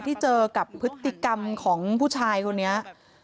ที่เจอกับพฤติกรรมของผู้ชายคนนี้